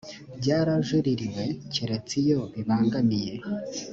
byarajuririwe keretse iyo bibangamiye